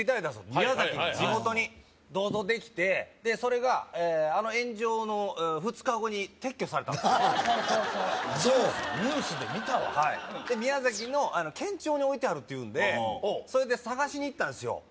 宮崎に地元に銅像できてそれがあの炎上の２日後に撤去されたんですそうニュースで見たわで宮崎の県庁に置いてあるっていうんでそれで探しに行ったんですよ